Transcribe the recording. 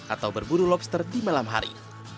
atau berburu lobster di malam hari